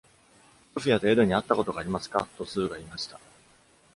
ソフィアとエドに会ったことがありますか、とスーが言いました。